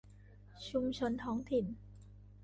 ชุมชนท้องถิ่น